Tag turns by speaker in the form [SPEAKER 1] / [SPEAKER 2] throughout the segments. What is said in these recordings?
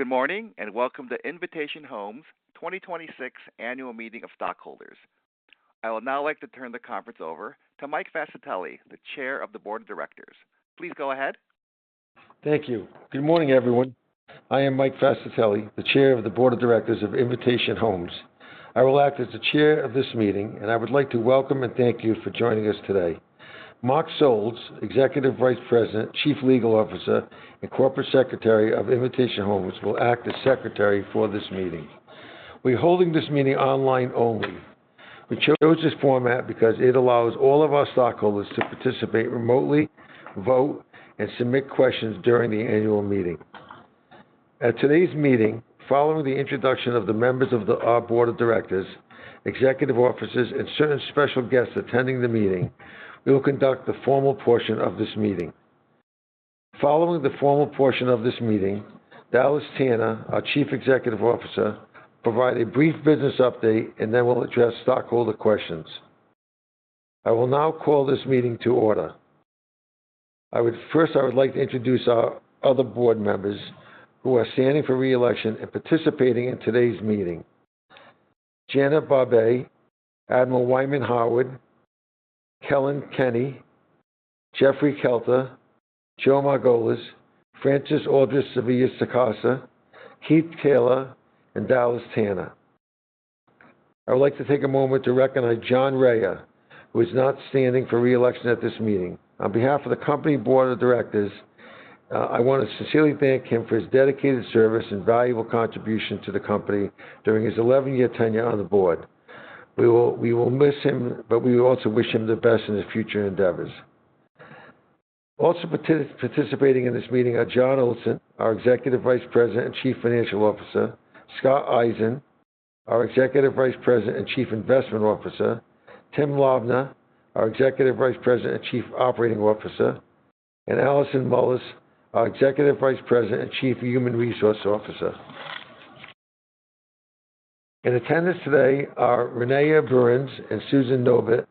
[SPEAKER 1] Good morning, welcome to Invitation Homes 2026 Annual Meeting of Stockholders. I would now like to turn the conference over to Mike Fascitelli, the Chair of the Board of Directors. Please go ahead.
[SPEAKER 2] Thank you. Good morning, everyone. I am Mike Fascitelli, the Chair of the Board of Directors of Invitation Homes. I will act as the chair of this meeting, and I would like to welcome and thank you for joining us today. Mark Solls, Executive Vice President, Chief Legal Officer, and Corporate Secretary of Invitation Homes, will act as Secretary for this meeting. We're holding this meeting online only. We chose this format because it allows all of our stockholders to participate remotely, vote, and submit questions during the annual meeting. At today's meeting, following the introduction of the members of our Board of Directors, executive officers, and certain special guests attending the meeting, we will conduct the formal portion of this meeting. Following the formal portion of this meeting, Dallas Tanner, our Chief Executive Officer, will provide a brief business update, and then we'll address stockholder questions. I will now call this meeting to order. First, I would like to introduce our other board members who are standing for re-election and participating in today's meeting. Jana Barbe, Admiral Wyman Howard, Kellyn Kenny, Jeffrey Kelter, Joe Margolis, Frances Aldrich Sevilla-Sacasa, Keith Taylor, and Dallas Tanner. I would like to take a moment to recognize John Rhea, who is not standing for re-election at this meeting. On behalf of the company board of directors, I wanna sincerely thank him for his dedicated service and valuable contribution to the company during his 11-year tenure on the board. We will miss him, but we also wish him the best in his future endeavors. Also participating in this meeting are Jon Olsen, our Executive Vice President and Chief Financial Officer; Scott Eisen, our Executive Vice President and Chief Investment Officer; Tim Lobner, our Executive Vice President and Chief Operating Officer; and Allison Mullis, our Executive Vice President and Chief Human Resources Officer. In attendance today are Renea Burns and Susan Novit,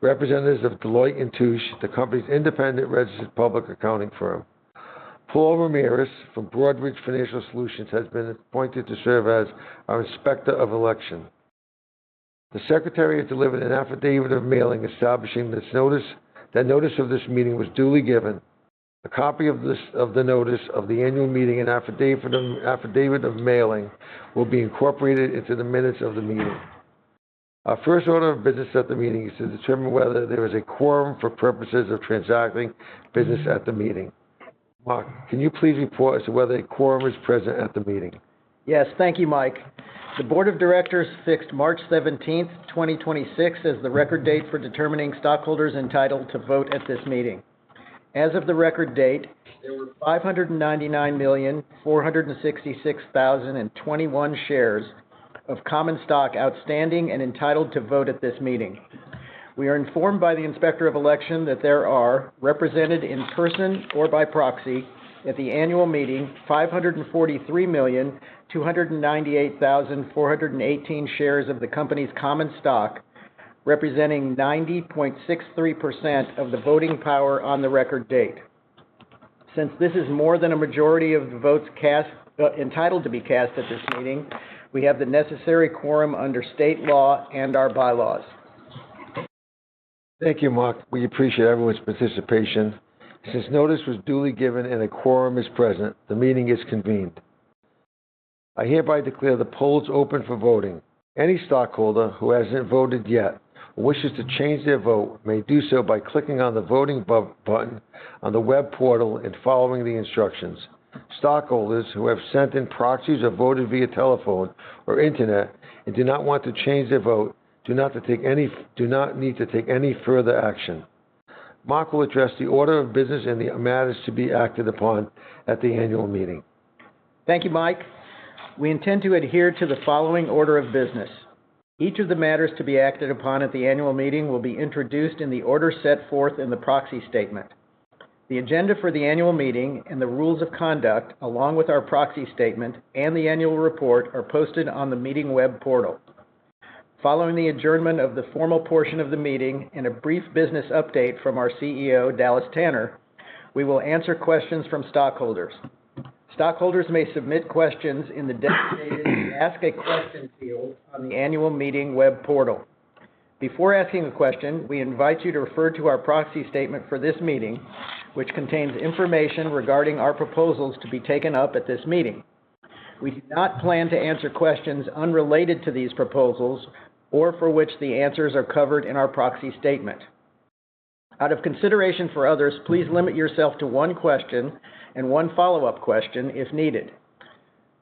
[SPEAKER 2] representatives of Deloitte & Touche, the company's independent registered public accounting firm. Paul Ramirez from Broadridge Financial Solutions has been appointed to serve as our Inspector of Election. The Secretary has delivered an affidavit of mailing establishing this notice that notice of this meeting was duly given. A copy of this, of the notice of the annual meeting and affidavit of mailing will be incorporated into the minutes of the meeting. Our first order of business at the meeting is to determine whether there is a quorum for purposes of transacting business at the meeting. Mark, can you please report as to whether a quorum is present at the meeting?
[SPEAKER 3] Yes. Thank you, Mike. The Board of Directors fixed March 17th, 2026 as the record date for determining stockholders entitled to vote at this meeting. As of the record date, there were 599,466,021 shares of common stock outstanding and entitled to vote at this meeting. We are informed by the Inspector of Election that there are, represented in person or by proxy at the annual meeting, 543,298,418 shares of the company's common stock, representing 90.63% of the voting power on the record date. Since this is more than a majority of the votes cast, entitled to be cast at this meeting, we have the necessary quorum under state law and our bylaws.
[SPEAKER 2] Thank you, Mark. We appreciate everyone's participation. Since notice was duly given and a quorum is present, the meeting is convened. I hereby declare the polls open for voting. Any stockholder who hasn't voted yet or wishes to change their vote may do so by clicking on the voting button on the web portal and following the instructions. Stockholders who have sent in proxies or voted via telephone or internet and do not want to change their vote do not need to take any further action. Mark will address the order of business and the matters to be acted upon at the annual meeting.
[SPEAKER 3] Thank you, Mike. We intend to adhere to the following order of business. Each of the matters to be acted upon at the annual meeting will be introduced in the order set forth in the proxy statement. The agenda for the annual meeting and the rules of conduct, along with our proxy statement and the annual report, are posted on the meeting web portal. Following the adjournment of the formal portion of the meeting and a brief business update from our CEO, Dallas Tanner, we will answer questions from stockholders. Stockholders may submit questions in the designated Ask a Question field on the annual meeting web portal. Before asking a question, we invite you to refer to our proxy statement for this meeting, which contains information regarding our proposals to be taken up at this meeting. We do not plan to answer questions unrelated to these proposals or for which the answers are covered in our proxy statement. Out of consideration for others, please limit yourself to one question and one follow-up question if needed.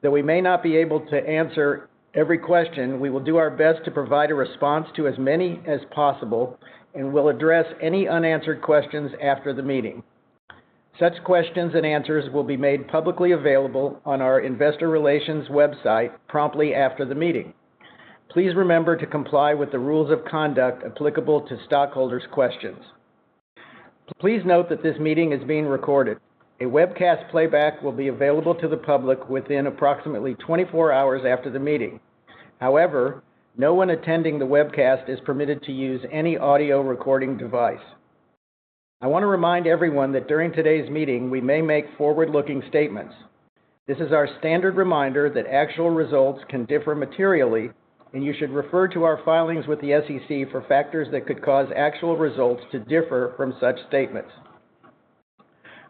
[SPEAKER 3] Though we may not be able to answer every question, we will do our best to provide a response to as many as possible and will address any unanswered questions after the meeting. Such questions and answers will be made publicly available on our investor relations website promptly after the meeting. Please remember to comply with the rules of conduct applicable to stockholders' questions. Please note that this meeting is being recorded. A webcast playback will be available to the public within approximately 24 hours after the meeting. However, no one attending the webcast is permitted to use any audio recording device. I wanna remind everyone that during today's meeting, we may make forward-looking statements. This is our standard reminder that actual results can differ materially, and you should refer to our filings with the SEC for factors that could cause actual results to differ from such statements.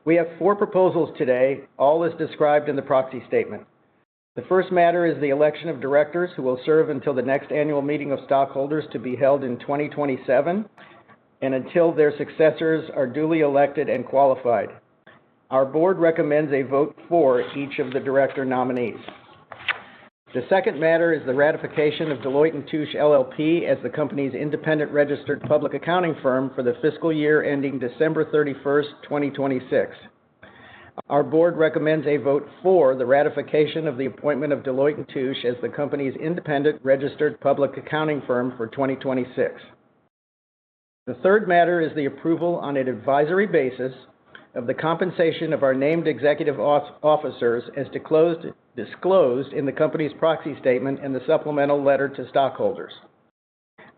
[SPEAKER 3] We have four proposals today, all as described in the proxy statement. The first matter is the election of directors who will serve until the next annual meeting of stockholders to be held in 2027, and until their successors are duly elected and qualified. Our board recommends a vote for each of the director nominees. The second matter is the ratification of Deloitte & Touche LLP as the company's independent registered public accounting firm for the fiscal year ending December 31st, 2026. Our board recommends a vote for the ratification of the appointment of Deloitte & Touche as the company's independent registered public accounting firm for 2026. The third matter is the approval on an advisory basis of the compensation of our named executive officers as disclosed in the company's proxy statement in the supplemental letter to stockholders.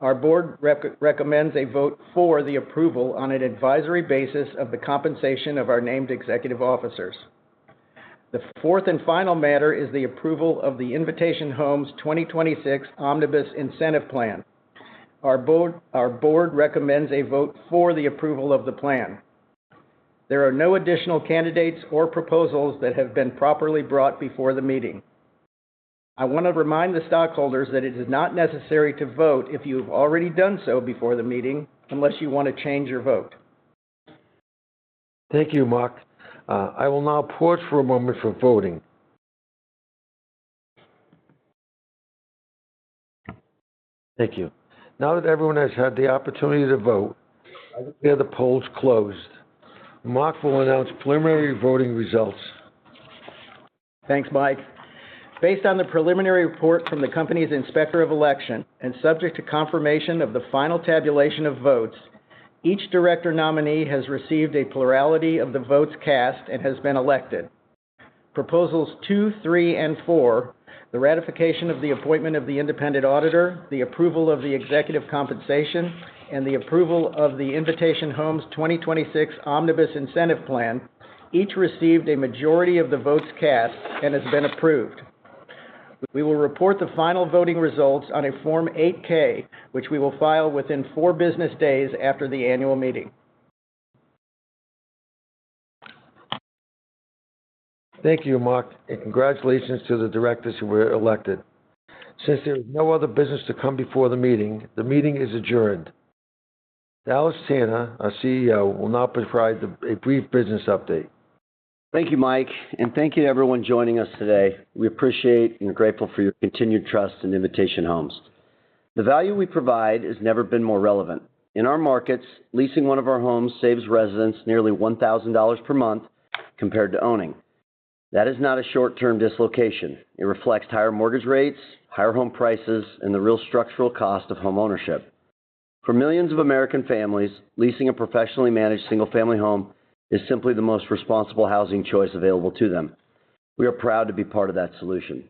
[SPEAKER 3] Our board recommends a vote for the approval on an advisory basis of the compensation of our named executive officers. The fourth and final matter is the approval of the Invitation Homes 2026 Omnibus Incentive Plan. Our board recommends a vote for the approval of the plan. There are no additional candidates or proposals that have been properly brought before the meeting. I wanna remind the stockholders that it is not necessary to vote if you've already done so before the meeting, unless you wanna change your vote.
[SPEAKER 2] Thank you, Mark. I will now pause for a moment for voting. Thank you. Now that everyone has had the opportunity to vote, I declare the polls closed. Mark will announce preliminary voting results.
[SPEAKER 3] Thanks, Mike. Based on the preliminary report from the company's inspector of election and subject to confirmation of the final tabulation of votes, each director nominee has received a plurality of the votes cast and has been elected. Proposals Two, Three, and Four, the ratification of the appointment of the independent auditor, the approval of the executive compensation, and the approval of the Invitation Homes 2026 Omnibus Incentive Plan, each received a majority of the votes cast and has been approved. We will report the final voting results on a Form 8-K, which we will file within four business days after the annual meeting.
[SPEAKER 2] Thank you, Mark, and congratulations to the directors who were elected. Since there is no other business to come before the meeting, the meeting is adjourned. Dallas Tanner, our CEO, will now provide a brief business update.
[SPEAKER 4] Thank you, Mike, and thank you to everyone joining us today. We appreciate and are grateful for your continued trust in Invitation Homes. The value we provide has never been more relevant. In our markets, leasing one of our homes saves residents nearly $1,000 per month compared to owning. That is not a short-term dislocation. It reflects higher mortgage rates, higher home prices, and the real structural cost of homeownership. For millions of American families, leasing a professionally managed single-family home is simply the most responsible housing choice available to them. We are proud to be part of that solution.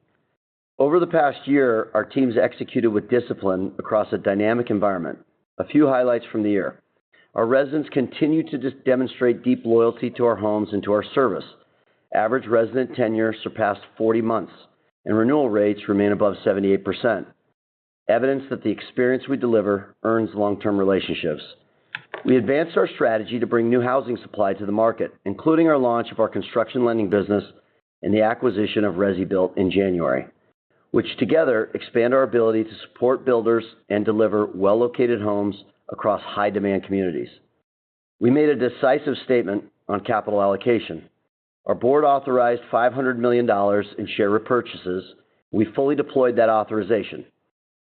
[SPEAKER 4] Over the past year, our teams executed with discipline across a dynamic environment. A few highlights from the year. Our residents continue to just demonstrate deep loyalty to our homes and to our service. Average resident tenure surpassed 40 months, and renewal rates remain above 78%. Evidence that the experience we deliver earns long-term relationships. We advanced our strategy to bring new housing supply to the market, including our launch of our construction lending business and the acquisition of ResiBuilt in January, which together expand our ability to support builders and deliver well-located homes across high-demand communities. We made a decisive statement on capital allocation. Our Board authorized $500 million in share repurchases. We fully deployed that authorization,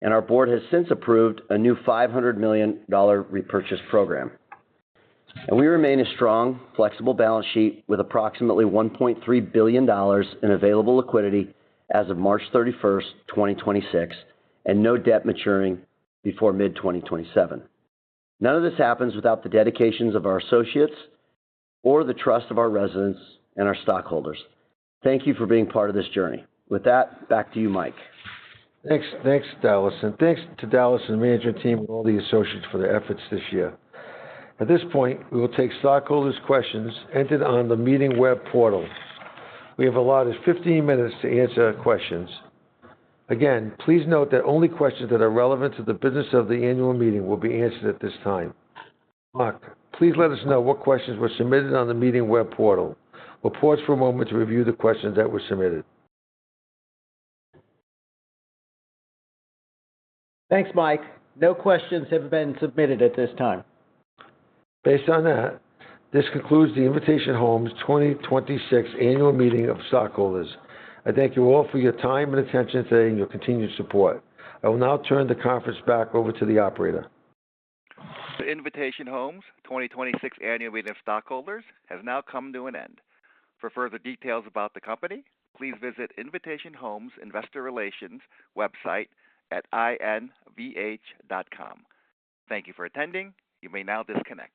[SPEAKER 4] our Board has since approved a new $500 million repurchase program. We remain a strong, flexible balance sheet with approximately $1.3 billion in available liquidity as of March 31st, 2026, and no debt maturing before mid-2027. None of this happens without the dedications of our associates or the trust of our residents and our stockholders. Thank you for being part of this journey. With that, back to you, Mike.
[SPEAKER 2] Thanks. Thanks, Dallas. Thanks to Dallas and the management team and all the associates for their efforts this year. At this point, we will take stockholders' questions entered on the meeting web portal. We have allotted 15 minutes to answer questions. Again, please note that only questions that are relevant to the business of the annual meeting will be answered at this time. Mark, please let us know what questions were submitted on the meeting web portal. We'll pause for a moment to review the questions that were submitted.
[SPEAKER 3] Thanks, Mike. No questions have been submitted at this time.
[SPEAKER 2] Based on that, this concludes the Invitation Homes 2026 Annual Meeting of Stockholders. I thank you all for your time and attention today and your continued support. I will now turn the conference back over to the operator.
[SPEAKER 1] The Invitation Homes 2026 Annual Meeting of Stockholders has now come to an end. For further details about the company, please visit Invitation Homes investor relations website at invh.com. Thank you for attending. You may now disconnect.